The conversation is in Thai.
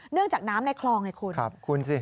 เนื่องจากน้ำในคลองน่ะคุณ